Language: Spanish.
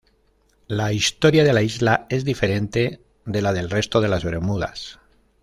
La historia de la isla es diferente de la del resto de las Bermudas.